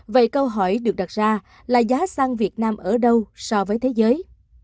vậy câu hỏi được đặt ra là giá xăng việt nam ở đâu so với thế giới